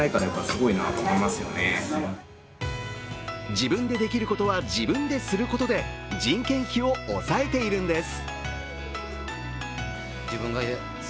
自分でできることは自分ですることで人件費を抑えているんです。